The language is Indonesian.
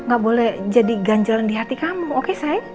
gak boleh jadi ganjalan di hati kamu oke saya